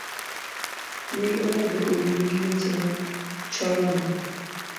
Wiyi onego owil giweche machongo